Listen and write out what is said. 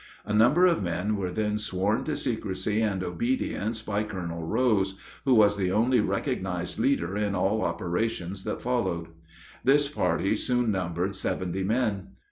A number of men were then sworn to secrecy and obedience by Colonel Rose, who was the only recognized leader in all operations that followed. This party soon numbered seventy men.